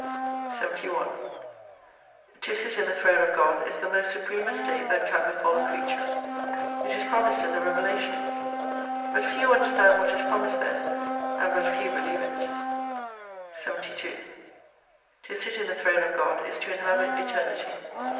291 71 To sit in the Throne of God is the most supreme estate that can befall a creature. It is promised in the Revelations. But few understand what is promised there, and but few believe it. 72 To sit in the Throne of God is to inhabit Eternity.